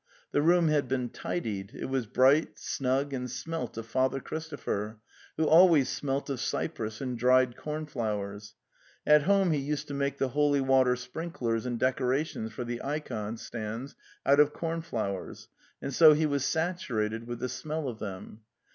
'The room had been tidied; it was bright, snug, and smelt of Father Christopher, who always smelt of cypress and dried cornflowers (at home he used to make the holy water sprinklers and decorations for the ikon stands out of cornflowers, and so he was saturated with the smell of them).